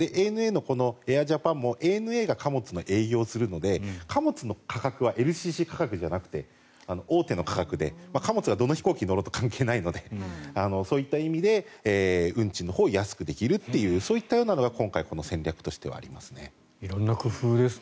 ＡＮＡのエアジャパンもＡＮＡが貨物の営業をするので貨物の価格はＬＣＣ価格じゃなくて大手の価格で貨物がどの飛行機に載ろうと関係ないのでそういった意味で運賃のほうを安くできるというそういったようなのが今回この戦略としてはあります。